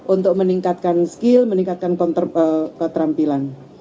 untuk meningkatkan skill meningkatkan keterampilan